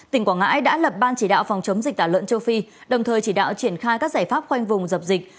tỉnh quảng ngãi đã lập ban chỉ đạo phòng chống dịch tả lợn châu phi đồng thời chỉ đạo triển khai các giải pháp khoanh vùng dập dịch